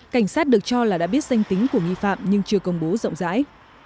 cảnh sát được cho là đã biết danh tính của nghi phạm nhưng chưa công bố rộng rãi